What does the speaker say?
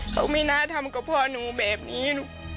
เขาไม่น่าทำกับพ่อหนูแบบนี้